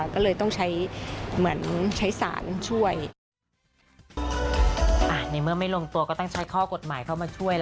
ก็เลยต้องใช้เหมือนใช้สารช่วย